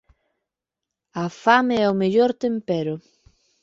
A fame é o mellor tempero.